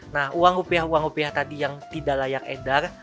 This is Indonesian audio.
nah uang rupiah uang rupiah tadi yang tidak layak edar